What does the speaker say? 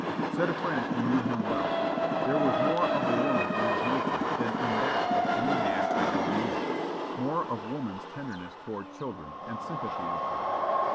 Said a friend who knew him well, "There was more of the woman in his nature than in that of any man I ever knew more of woman's tenderness toward children, and sympathy with them.